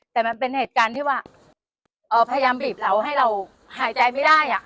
แต่มันเป็นเหตุการณ์ที่ว่าพยายามบีบเราให้เราหายใจไม่ได้